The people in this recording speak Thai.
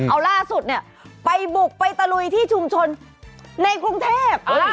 เอาล่าสุดเนี่ยไปบุกไปตะลุยที่ชุมชนในกรุงเทพ